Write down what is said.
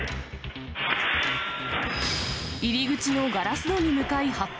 入り口のガラス戸に向かい発砲。